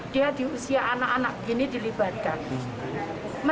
jadi itu yang pertama